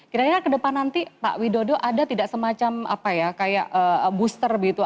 kita ingat ke depan nanti pak widodo ada tidak semacam booster gitu